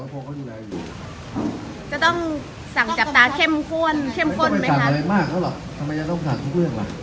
ไม่ต้องไปสั่งอะไรมากแล้วหรอกทำไมจะต้องสั่งทุกเรื่องล่ะ